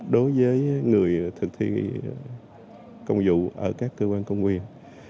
đối với người thực thi công vụ ở các cơ quan công quyền